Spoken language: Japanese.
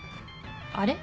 あれ？